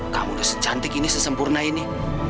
kamu udah secantik ini sesempurna ini